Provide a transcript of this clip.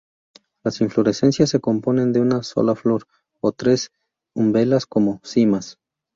Las inflorescencias se componen de una sola flor o tres en umbelas como cimas.